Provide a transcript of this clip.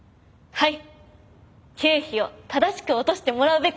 はい。